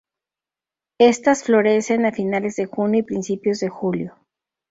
Estas florecen a finales de junio y principios de julio.